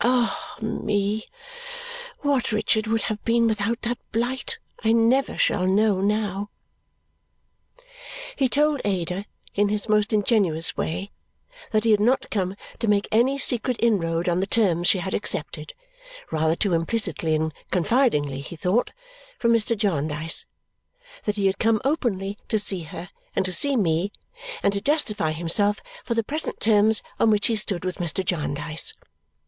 Ah me! What Richard would have been without that blight, I never shall know now! He told Ada, in his most ingenuous way, that he had not come to make any secret inroad on the terms she had accepted (rather too implicitly and confidingly, he thought) from Mr. Jarndyce, that he had come openly to see her and to see me and to justify himself for the present terms on which he stood with Mr. Jarndyce.